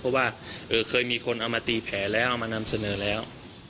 เพราะว่าเคยมีคนเอามาตีแผลแล้วเอามานำเสนอแล้ว